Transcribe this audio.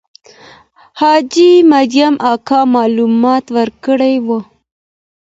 حاجي مریم اکا معلومات ورکړي وو.